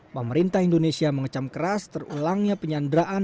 pemerintah indonesia mengecam keras terulangnya penyanderaan